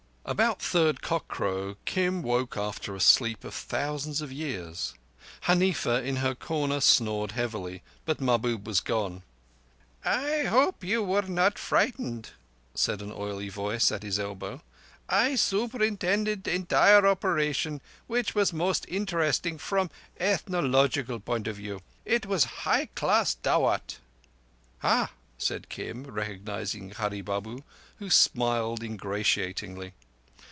About third cockcrow, Kim woke after a sleep of thousands of years. Huneefa, in her corner, snored heavily, but Mahbub was gone. "I hope you were not frightened," said an oily voice at his elbow. "I superintended entire operation, which was most interesting from ethnological point of view. It was high class dawut." "Huh!" said Kim, recognizing Hurree Babu, who smiled ingratiatingly.